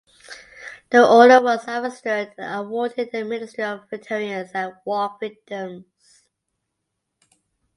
The order was administered and awarded the Ministry of Veterans and War Victims.